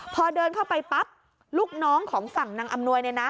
พอเดินเข้าไปปั๊บลูกน้องของฝั่งนางอำนวย